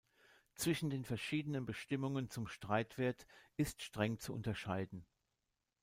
Zwischen den verschiedenen Bestimmungen zum Streitwert ist streng zu unterscheiden.